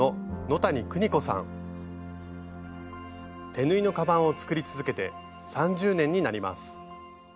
手縫いのカバンを作り続けて３０年になります。